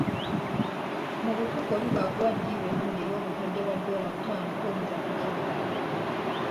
Mu butuufu oli bw'akuwa ddiiru ennungi ey'obukadde bwa ddoola butaano toyinza kugigaana.